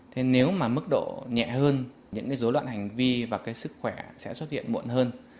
thế nếu mà mức độ nhẹ hơn những cái dối loạn hành vi và cái sức khỏe sẽ xuất hiện muộn hơn